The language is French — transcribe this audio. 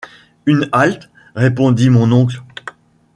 Une halte, répondit mon oncle.